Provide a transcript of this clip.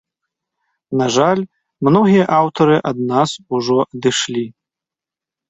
На жаль, многія аўтары ад нас ужо адышлі.